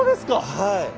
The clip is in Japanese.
はい。